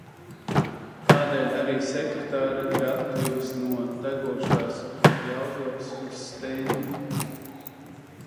Tādēļ arī sekretāre ir atkļuvusi no degošās Jelgavas uz Stendi.